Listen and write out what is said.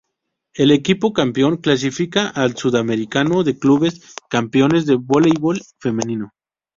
El equipo campeón clasifica al Sudamericano de Clubes Campeones de Voleibol Femenino.